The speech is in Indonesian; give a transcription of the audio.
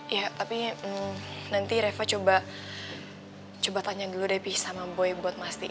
iya tapi nanti reva coba tanya dulu deh bi sama boy buat mastiin